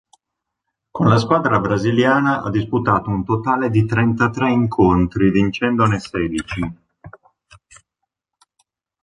Con la squadra brasiliana ha disputato un totale di trentatré incontri vincendone sedici.